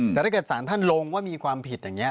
แต่ถ้าเกิดสารท่านลงว่ามีความผิดอย่างนี้